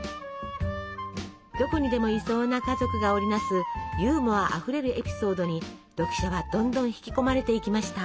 どこにでもいそうな家族が織り成すユーモアあふれるエピソードに読者はどんどん引き込まれていきました。